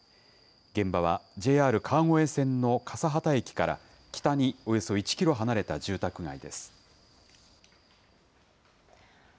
現場はＪＲ川越線の笠幡駅から、北におよそ１キロ離れた住宅街です。